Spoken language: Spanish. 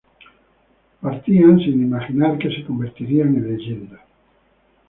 Partían sin imaginar que se convertirían en leyenda.